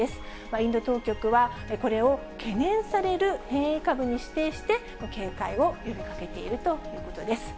インド当局は、これを懸念される変異株に指定して、警戒を呼びかけているということです。